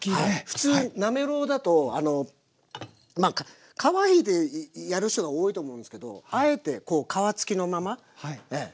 普通なめろうだと皮引いてやる人が多いと思うんですけどあえて皮付きのままええ。